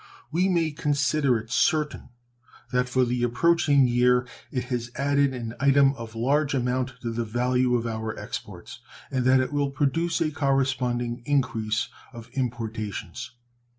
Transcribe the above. We may consider it certain that for the approaching year it has added an item of large amount to the value of our exports and that it will produce a corresponding increase of importations.